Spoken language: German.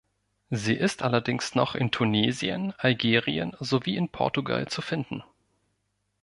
Sie ist allerdings noch in Tunesien, Algerien sowie in Portugal zu finden.